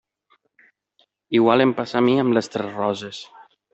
Igual em passa a mi amb Les Tres Roses.